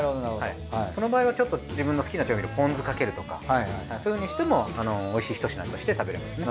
その場合はちょっと自分の好きな調味料ポン酢かけるとかそういうふうにしてもおいしいひと品として食べられますね。